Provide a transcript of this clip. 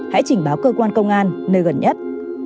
hãy trình báo cơ quan công an nơi gần nhất